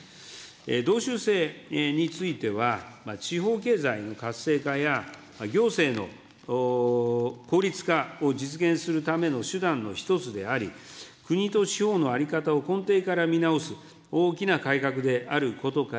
道州制については、地方経済の活性化や、行政の効率化を実現するための手段の一つであり、国と地方の在り方を根底から見直す大きな改革であることから、